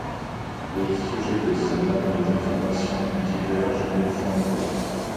Au sujet de sa mort, les informations divergent une fois encore.